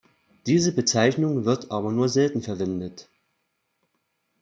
Diese Bezeichnung wird aber nur selten verwendet.